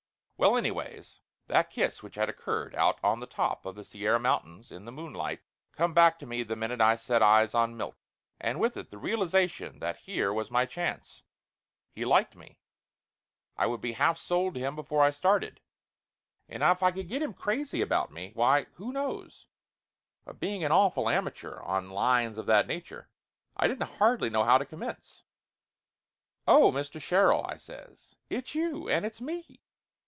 Well anyways, that kiss which had occurred out on the top of the Sierra Mountains in the moonlight, come back to me the minute I set eyes on Milt, and with it the realization that here was my chance! He liked me. I would be half sold to him before I started, and if I could get him crazy about me, why who knows? But being a awful amateur on lines of that nature, I didn't hardly know how to commence. "Oh, Mr. Sherrill!" I says. "It's you! And it's me